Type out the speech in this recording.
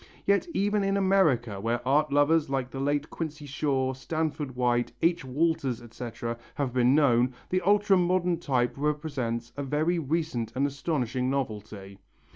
Yet even in America, where art lovers like the late Quincy Shaw, Stanford White, H. Walters, etc., have been known, the ultra modern type represents a very recent and astonishing novelty.